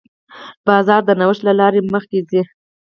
بازار د نوښت له لارې مخکې ځي.